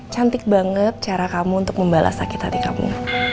cantik banget cara kamu untuk membalas sakit hati kamu